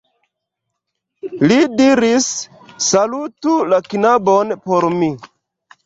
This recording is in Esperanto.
Li diris: "Salutu la knabon por mi.